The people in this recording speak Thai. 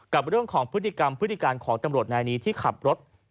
กับเรื่องของพฤติกรรมพฤติการของตำรวจนายนี้ที่ขับรถ